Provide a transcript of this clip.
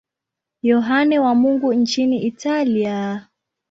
Yohane wa Mungu nchini Italia.